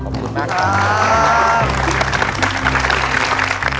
ขอบคุณมากครับ